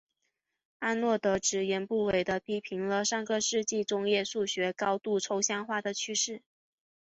阿诺德直言不讳地批评了上个世纪中叶数学高度抽象化的趋势。